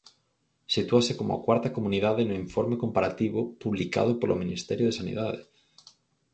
Sitúase como a cuarta comunidade no informe comparativo publicado polo Ministerio de Sanidade.